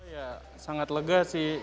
ya sangat lega sih